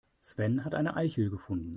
Sven hat eine Eichel gefunden.